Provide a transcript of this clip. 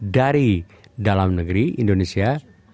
dari dalam negeri indonesia